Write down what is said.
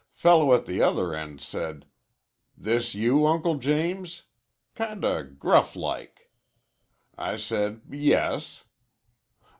Fellow at the other end said, 'This you, Uncle James?' Kinda grufflike, I said, 'Yes.'